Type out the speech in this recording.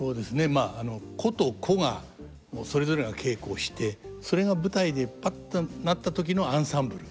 まあ個と個がそれぞれが稽古をしてそれが舞台でパッとなった時のアンサンブル？